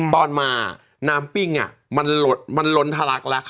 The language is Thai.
ตอนมาน้ำปิ้งมันล้นทะลักแล้วค่ะ